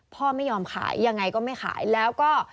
พ่อไม่ยอมขายยังไงก็ไม่ขายแล้วก็